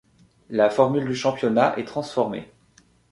La formule du championnat est transformée.